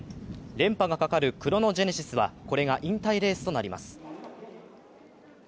連覇がかかるクロノジェネシスはこれが引退レースとなります。